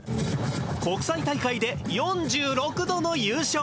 国際大会で４６度の優勝